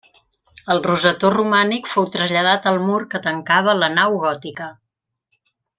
El rosetó romànic fou traslladat al mur que tancava la nau gòtica.